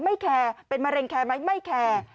แคร์เป็นมะเร็งแคร์ไหมไม่แคร์